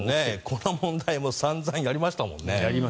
この問題も散々やりましたもんね。